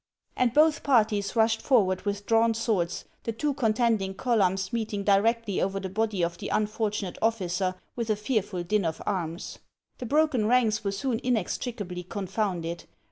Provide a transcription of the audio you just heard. And both parties rushed forward with drawn swords, the two contending columns meeting directly over the body of the unfortunate officer, with a fearful din of arms. The broken ranks were soon inextricably confounded.